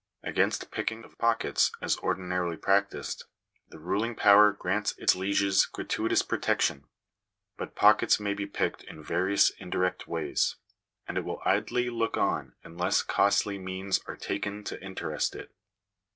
Against picking of pockets, as ordinarily practised, the ruling power grants its lieges gratuitous protection; but pockets may be picked in various indirect ways, and it will idly look on unless costly means are taken to interest it.